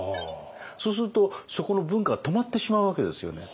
そうするとそこの文化が止まってしまうわけですよね。